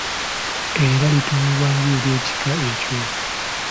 Era lituumibwa ng’ery’ekika ekyo.